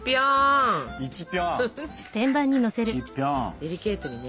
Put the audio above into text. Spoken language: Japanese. デリケートにね。